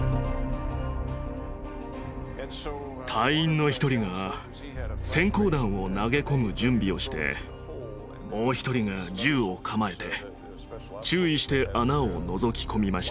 隊員の一人が閃光弾を投げ込む準備をしてもう一人が銃を構えて注意して穴をのぞき込みました。